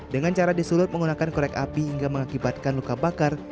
dengan cara disulut menggunakan korek api hingga mengakibatkan luka bakar